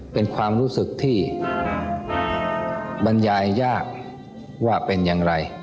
เป็นความรู้สึกที่บรรยายยากว่าเป็นอย่างไร